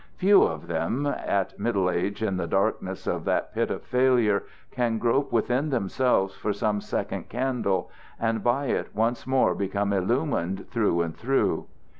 Few of them at middle age in the darkness of that pit of failure can grope within themselves for some second candle and by it once more become illumined through and through.